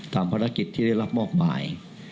ภารกิจที่ได้รับมอบหมาย